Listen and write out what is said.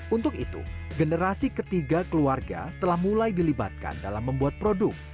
untuk itu generasi ketiga keluarga telah mulai dilibatkan dalam membuat produk